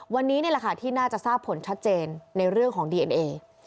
วันนี้นี่แหละค่ะที่น่าจะทราบผลชัดเจนในเรื่องของดีเอ็นเอ